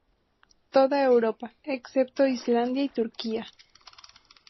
Toda Europa, excepto Islandia y Turquía.